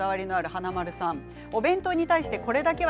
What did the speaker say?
華丸さん。